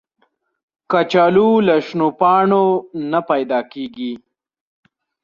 کچالو له شنو پاڼو نه پیدا کېږي